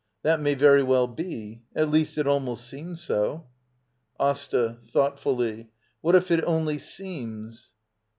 That may very well be. — At least, it almost seems so. AsTA. [Thoughtfully.] What if it only seems—? Allmers.